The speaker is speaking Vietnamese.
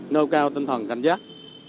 nâu cao tinh thần cảnh giác